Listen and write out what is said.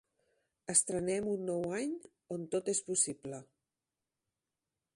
Estrenem un nou any on tot és possible.